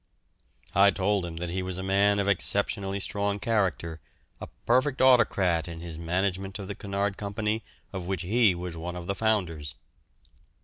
I told him that he was a man of exceptionally strong character, a perfect autocrat in his management of the Cunard Company, of which he was one of the founders.